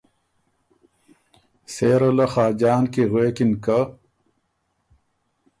سېره له خاجان کی غوېکِن که